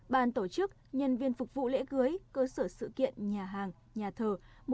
ban tổ chức nhân viên phục vụ lễ cưới cơ sở sự kiện nhà hàng nhà thờ